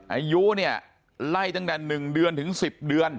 อายุเนี่ยไล่ตั้งแต่๑เดือนถึง๑๐เดือน